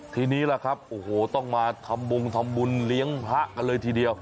ทีนี้ล่ะครับโอ้โหต้องมาทำบงทำบุญเลี้ยงพระกันเลยทีเดียว